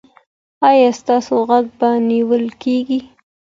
ایا ستاسو غږ به نیول کیږي؟